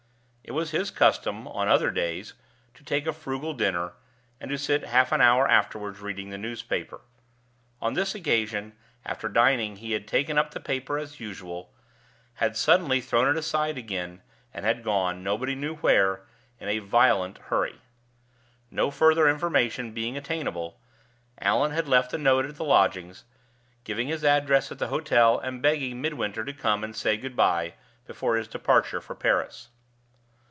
It was his custom, on other days, to take a frugal dinner, and to sit half an hour afterward reading the newspaper. On this occasion, after dining, he had taken up the paper as usual, had suddenly thrown it aside again, and had gone, nobody knew where, in a violent hurry. No further information being attainable, Allan had left a note at the lodgings, giving his address at the hotel, and begging Midwinter to come and say good by before his departure for Paris.